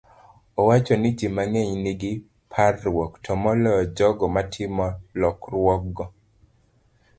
Owacho ni ji mang'eny nigi parruok, to moloyo jogo matimo lokruokgo.